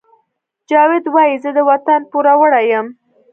جاوید وایی زه د وطن پوروړی یم